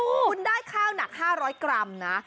คุณได้ข้าวหนัก๕๐๐กรัมนะ